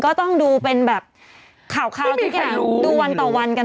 ก็ต้องดูเป็นแบบข่าวทุกอย่างดูวันต่อวันกัน